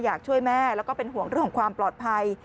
อยากช่วยแม่แล้วก็เป็นห่วงเรื่องของความปลอดภัย